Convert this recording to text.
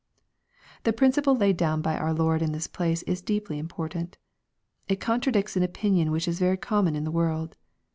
The principle laid down by our Lord in this place is deeply important. It contradicts an opinion which is very common in the world.